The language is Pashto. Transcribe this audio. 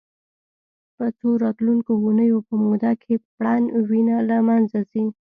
په څو راتلونکو اونیو په موده کې پرڼ وینه له منځه ځي.